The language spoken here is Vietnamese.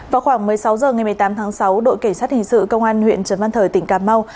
vào khoảng một mươi sáu h ngày một mươi tám tháng sáu đội cảnh sát hình sự công an huyện trần văn thời tỉnh cà mau